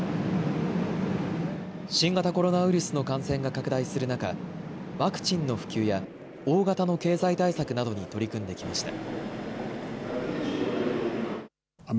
新型コロナウイルスの感染が拡大する中、ワクチンの普及や大型の経済対策などに取り組んできました。